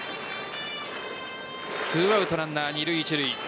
２アウトランナー二塁・一塁。